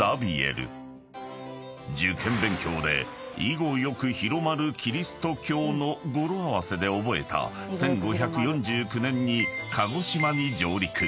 ［受験勉強で「１５４９広まるキリスト教」の語呂合わせで覚えた１５４９年に鹿児島に上陸］